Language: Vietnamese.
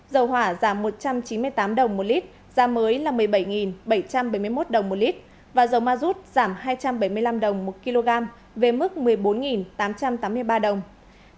dầu hỏa giảm một trăm chín mươi tám đồng một lít giá mới là một mươi bảy bảy trăm bảy mươi một đồng một lít và dầu ma rút giảm hai trăm bảy mươi năm đồng một kg về mức một mươi bốn tám trăm tám mươi ba đồng